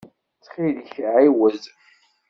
Ttxil-k ɛiwed.